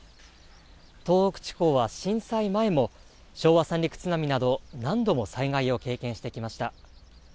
東北地方は震災前も、昭和三陸津波など、何度も災害を経験してきました。